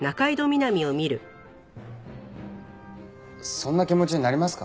そんな気持ちになりますか？